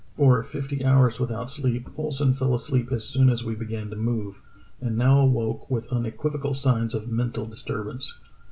For fifty hours without sleep, Ohlsen fell asleep as soon as we began to move, and now awoke with un equivocal signs of mental disturbance.